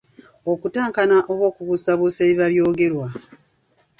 Okutankana oba okubuusabuusa ebiba by'ogerwa.